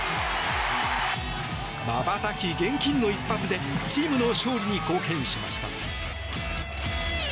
まばたき厳禁の一発でチームの勝利に貢献しました。